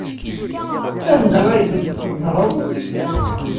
Anda ay ten-tqeddreḍ?